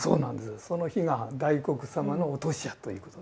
その日が大黒様のお歳夜ということで。